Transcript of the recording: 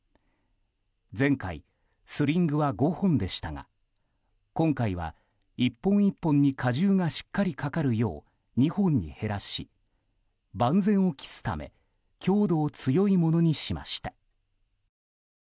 前回、スリングは５本でしたが今回は１本１本に加重がしっかりかかるよう２本に減らし万全を期すため強度を強いものにしました。